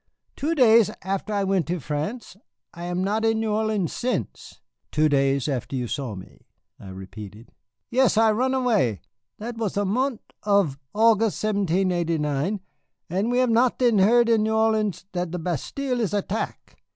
Two days after I went to France, and I not in New Orleans since." "Two days after you saw me?" I repeated. "Yaas, I run away. That was the mont' of August, 1789, and we have not then heard in New Orleans that the Bastille is attack.